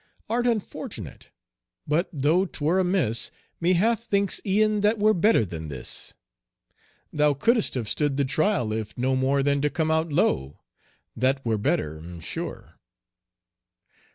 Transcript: Art unfortunate! but tho' 'twere amiss Me half thinks e'en that were better than this. Thou couldst have stood the trial, if no more Than to come out low. That were better, 'm sure.